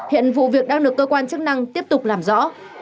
hiện vụ việc đang được cơ quan chức năng tiếp tục làm rõ